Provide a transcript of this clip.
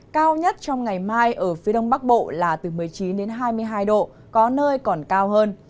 cao nhất trong ngày mai ở phía đông bắc bộ là từ một mươi chín đến hai mươi hai độ có nơi còn cao hơn